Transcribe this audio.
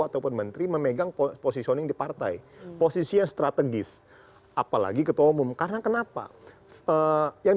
ataupun menteri memegang positioning di partai posisinya strategis apalagi ketua umum karena kenapa yang